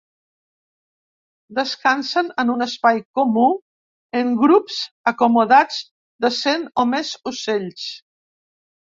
Descansen en un espai comú en grups acomodats de cent o més ocells.